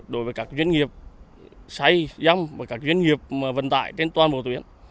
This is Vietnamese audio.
đối với các doanh nghiệp xây dân và các doanh nghiệp vận tải trên toàn bộ tuyến